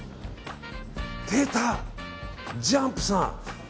出た、ジャンプさん。